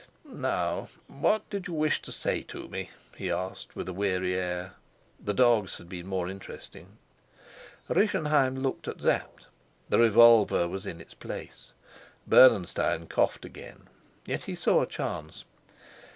"Now, what did you wish to say to me?" he asked, with a weary air. The dogs had been more interesting. Rischenheim looked at Sapt. The revolver was in its place; Bernenstein coughed again. Yet he saw a chance.